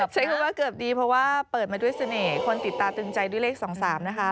ใช้คำว่าเกือบดีเพราะว่าเปิดมาด้วยเสน่ห์คนติดตาตึงใจด้วยเลข๒๓นะคะ